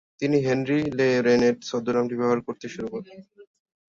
তিনি Henry Le Renet ছদ্মনামটি ব্যবহার করতে শুরু করেন।